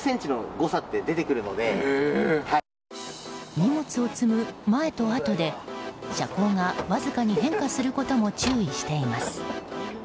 荷物を積む前とあとで車高がわずかに変化することも注意しています。